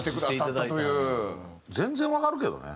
全然わかるけどね。